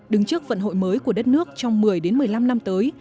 đứng trước vận hội mới của đất nước trong một mươi một mươi năm năm tới